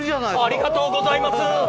ありがとうございます。